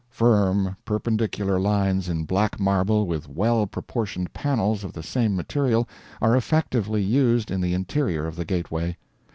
Firm perpendicular lines in black marble with well proportioned panels of the same material are effectively used in the interior of the gateway.